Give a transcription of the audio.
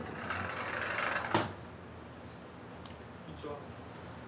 こんにちは。